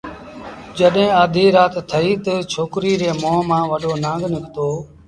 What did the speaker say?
جڏهيݩ آڌيٚ رآت ٿئيٚ تا ڇوڪريٚ ري مݩهݩ مآݩ وڏو نکتو